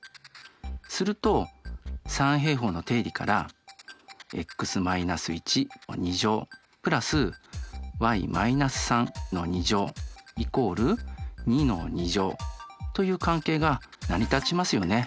すると三平方の定理から＋＝２という関係が成り立ちますよね。